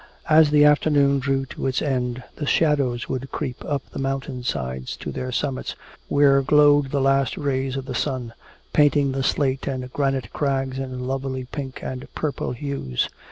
As the afternoon drew to its end, the shadows would creep up the mountain sides to their summits where glowed the last rays of the sun, painting the slate and granite crags in lovely pink and purple hues.